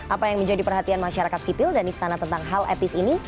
apa yang menjadi perhatian masyarakat sipil dan istana tentang hal etis ini